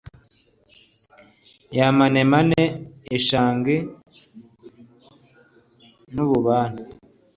ya manemane ishangi n’ububani